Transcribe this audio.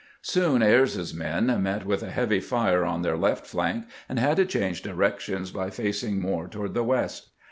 Soon Ayres's men met with a heavy fire on their left fiank, and had to change directions by facing more to ward the west.